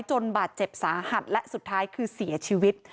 บาดเจ็บสาหัสและสุดท้ายคือเสียชีวิต